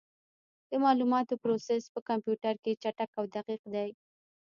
د معلوماتو پروسس په کمپیوټر کې چټک او دقیق دی.